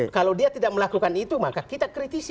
kalau dia tidak melakukan itu maka kita kritisi